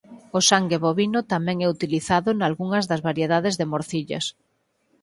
O sangue bovino tamén é utilizado nalgunhas das variedades de morcillas.